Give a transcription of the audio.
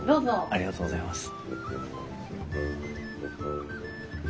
ありがとうございます。